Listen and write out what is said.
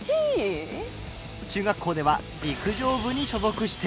中学校では陸上部に所属している。